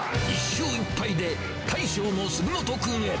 １勝１敗で、大将の杉本君へ。